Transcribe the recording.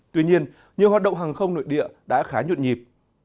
tuy nhiên nhiều hoạt động hàng không nội địa đã khá nhuận nhịp